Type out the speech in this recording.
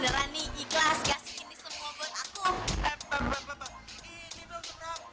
salah satu band esfuerimu kalau tahu